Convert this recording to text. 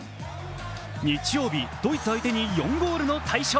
日曜日、ドイツ相手に４ゴールの大勝。